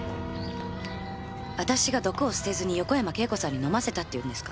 私が毒を捨てずに横山慶子さんに飲ませたっていうんですか？